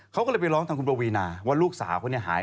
เขาก็เลยไปร้องทางคุณปวีนาว่าลูกสาวเขาเนี่ยหาย